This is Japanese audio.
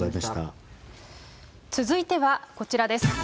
続いてはこちらです。